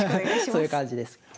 そういう感じです。